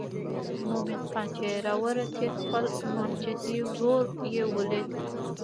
مومن خان چې راورسېد خپل ماجتي ورور یې ولید.